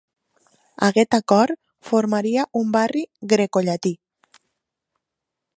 Aquest acord formaria un barri grecollatí.